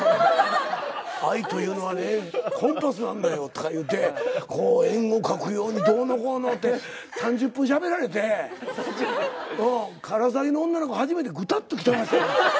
「愛というのはねコンパスなんだよ」とか言うて円を描くようにどうのこうのって３０分しゃべられて『から騒ぎ』の女の子初めてぐたっときてましたよ。